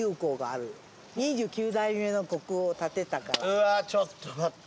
うわちょっと待って。